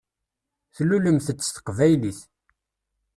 Tlulemt-d s teqbaylit.